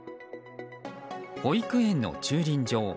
保育園の駐輪場。